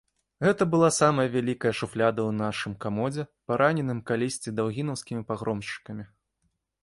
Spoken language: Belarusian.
Гэта была самая вялікая шуфляда ў нашым камодзе, параненым калісьці даўгінаўскімі пагромшчыкамі.